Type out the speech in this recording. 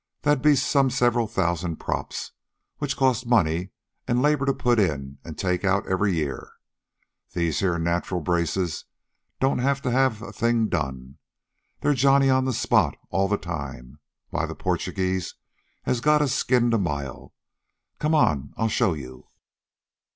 That'd be some several thousan' props. Which cost money, an' labor to put in an' take out every year. These here natural braces don't have to have a thing done. They're Johnny on the spot all the time. Why, the Porchugeeze has got us skinned a mile. Come on, I'll show you."